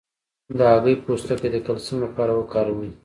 د هګۍ پوستکی د کلسیم لپاره وکاروئ